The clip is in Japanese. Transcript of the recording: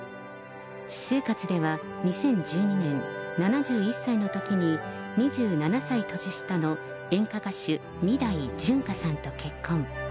私生活では２０１２年、７１歳のときに、２７歳年下の演歌歌手、三代純歌さんと結婚。